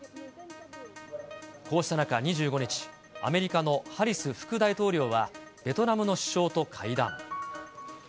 こうした中、２５日、アメリカのハリス副大統領は、ベトナムの首相と会談。